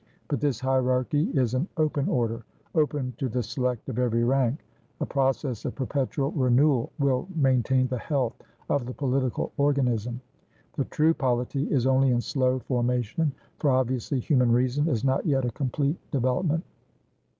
But this hierarchy is an open orderopen to the select of every rank; a process of perpetual renewal will maintain the health of the political organism. The true polity is only in slow formation; for, obviously, human reason is not yet a complete development.